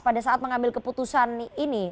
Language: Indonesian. pada saat mengambil keputusan ini